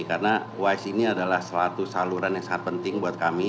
karena wise ini adalah salah satu saluran yang sangat penting buat kami